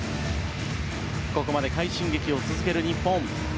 ここまで快進撃を続ける日本。